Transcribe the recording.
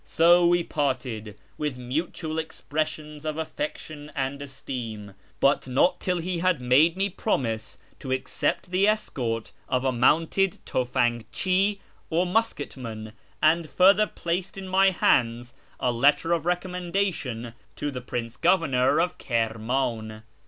So we parted, with mutual expressions of affection and esteem ; but not till he had made me promise to accept the escort of a mounted tufankcM or musket man, and further placed in my hands a letter of recommendation to the Prince Governor of Kirman.